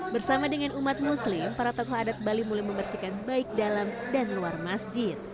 bersama dengan umat muslim para tokoh adat bali mulai membersihkan baik dalam dan luar masjid